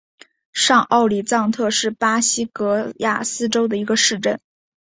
上奥里藏特是巴西戈亚斯州的一个市镇。